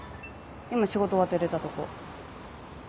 今仕事終わって出たとこ。